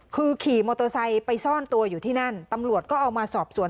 คือขี่มอเตอร์ไซค์ไปซ่อนตัวอยู่ที่นั่นตำรวจก็เอามาสอบสวน